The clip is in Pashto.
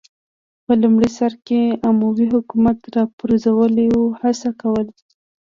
په لومړي سر کې اموي حکومت راپرځولو هڅه کوله